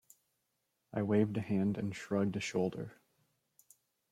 I waved a hand and shrugged a shoulder.